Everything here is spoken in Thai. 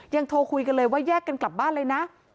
โทรคุยกันเลยว่าแยกกันกลับบ้านเลยนะ